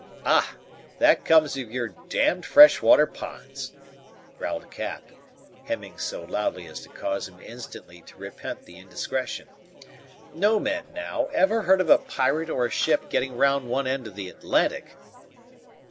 "Ah! that comes of your d d fresh water ponds!" growled Cap, hemming so loudly as to cause him instantly to repent the indiscretion. "No man, now, ever heard of a pirate or a ship getting round one end of the Atlantic!"